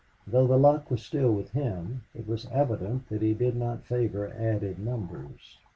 Though the luck was still with him, it was evident that he did not favor added numbers.